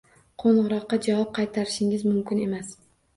Qo‘ng‘iroqqa javob qaytarishingiz mumkin emas.